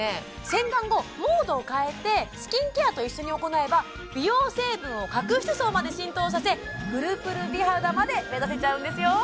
洗顔後モードを変えてスキンケアと一緒に行えば美容成分を角質層まで浸透させぷるぷる美肌まで目指せちゃうんですよ